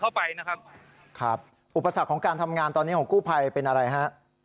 เข้าไปนะครับครับอุปสรรคของการทำงานตอนนี้ของกู้ภัยเป็นอะไรฮะ